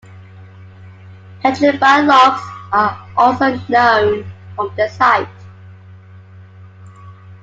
Petrified logs are also known from the site.